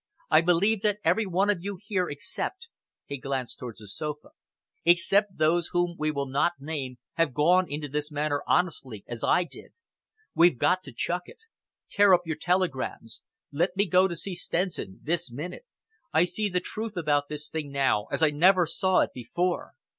I believe that every one of you here except " he glanced towards the sofa "except those whom we will not name have gone into this matter honestly, as I did. We've got to chuck it. Tear up your telegrams. Let me go to see Stenson this minute. I see the truth about this thing now as I never saw it before.